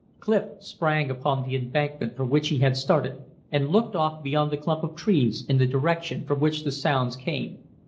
Clif sprang upon the embankment for which he had started, and looked off beyond the clump of trees in the direction from which the sounds came.